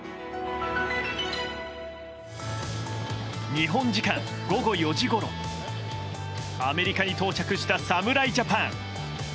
日本時間午後４時ごろアメリカに到着した侍ジャパン。